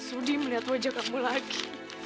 sudi melihat wajah kamu lagi